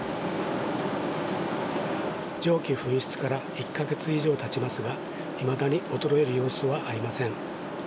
蒸気噴出から１か月以上たちますが、いまだに衰える様子はありません。